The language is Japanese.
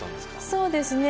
そうですね。